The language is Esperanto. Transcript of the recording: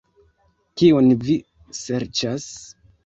Kiun vi serĉas?